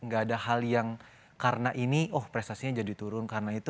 gak ada hal yang karena ini oh prestasinya jadi turun karena itu